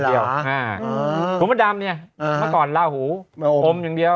คุณพระดำเนี่ยเมื่อก่อนลาหูอมอย่างเดียว